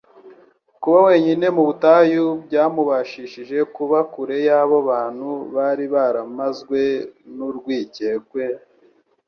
Kuba wenyine mu butayu byamubashishije kuba kure y'abo bantu bari baramazwe n'urwikekwe,